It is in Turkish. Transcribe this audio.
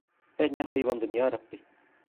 Ben ne hayvandım yarabbi…